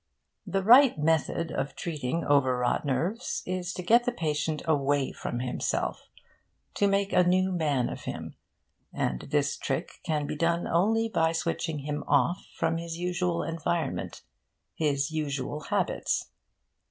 The right method of treating overwrought nerves is to get the patient away from himself to make a new man of him; and this trick can be done only by switching him off from his usual environment, his usual habits.